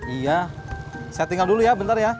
iya saya tinggal dulu ya bentar ya